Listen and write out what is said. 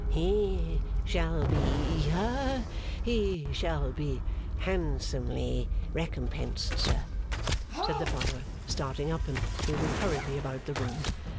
'He shall be ha he shall be handsomely recompensed, sir,' said the Father, starting up and moving hurriedly about the room.